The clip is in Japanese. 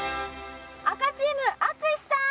赤チーム淳さん